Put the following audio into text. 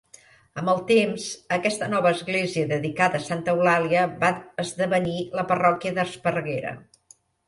Amb el temps, aquesta nova església dedicada a Santa Eulàlia va esdevenir la parròquia d'Esparreguera.